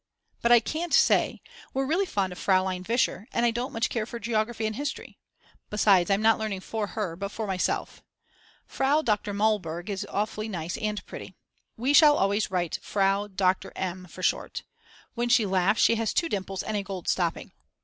But I can't say, we're really fond of Fraulein Vischer and I don't much care for geography and history. Besides I'm not learning for her but for myself. Frau Dr. Mallburg is awfully nice and pretty. We shall always write Frau Dr. M. for short. When she laughs she has two dimples and a gold stopping.